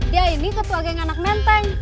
dia ini ketua geng anak menteng